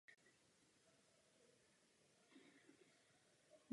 Evidovány jsou i otravy lidí.